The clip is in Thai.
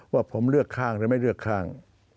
ว่าผมเลือกข้างหรือไม่เลือกข้าง